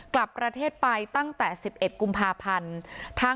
กลับประเทศไปตั้งแต่๑๑กุมภาพันธ์